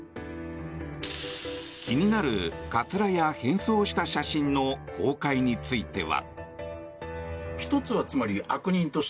気になるかつらや変装した写真の公開については。